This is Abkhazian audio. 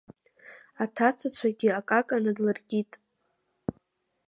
Аҭацацәагьы акака надлыркит…